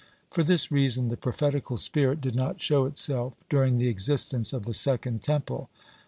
For this reason the prophetical spirit did not show itself during the existence of the Second Temple.